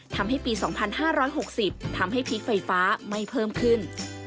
ทำให้ปี๒๕๖๐ทำให้พีคไฟฟ้าไม่เพิ่มขึ้น